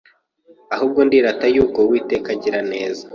ahubwo ndirata yuko Uwiteka agira neza